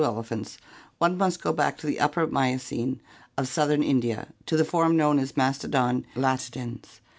elephants one must go back to the Upper Miocene of southern In dia, to the form known as Mastodon latidens.